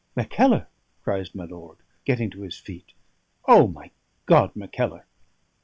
"Mackellar!" cries my lord, getting to his feet. "O my God, Mackellar!"